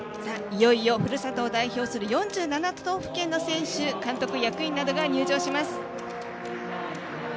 いよいよふるさとを代表する４７都道府県の選手や監督役員などが入場します。